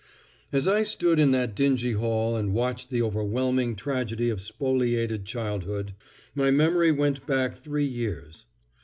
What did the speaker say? As I stood in that dingy hall and watched the overwhelming tragedy of spoliated childhood, my memory went back three years.